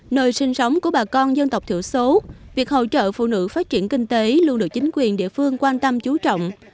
nơi sinh sống của bà con dân tộc thiểu số việc hỗ trợ phụ nữ phát triển kinh tế luôn được chính quyền địa phương quan tâm chú trọng